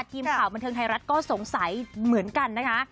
ทีมข่าวบันเทิงไทยรัฐก็สงสัยเหมือนกันนะคะ